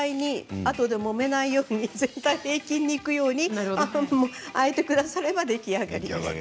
あとで、もめないように全体に平均にいくように焼いてくだされば出来上がりです。